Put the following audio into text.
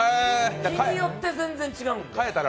日によって全然違うんです。